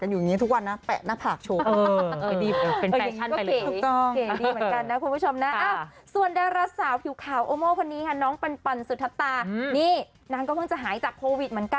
ก็รู้กันแหละว่าสถานะอะไรไม่ต้องบอกคนอื่นหรอก